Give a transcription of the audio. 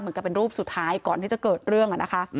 เหมือนกับเป็นรูปสุดท้ายก่อนที่จะเกิดเรื่อง